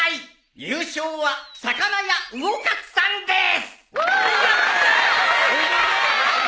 優勝は魚屋うおかつさんです！